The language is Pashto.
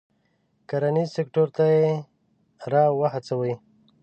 کرنیز سکتور ته یې را و هڅوي.